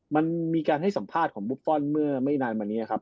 มันมีการให้สัมภาษณ์ของบุฟฟอลเมื่อไม่นานมานี้ครับ